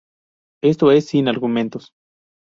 Esto es, sin argumentos.